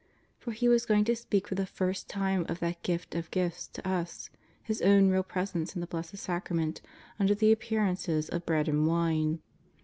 For Ho was going to speak for the first time of that Gift of gifts to us, His own Real Presence in the Blessed Sacra ment under the appearances of bread and wine.